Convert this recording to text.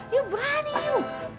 you berani you